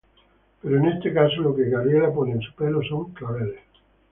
Pero en este caso, lo que Gabriela pone en su pelo son claveles.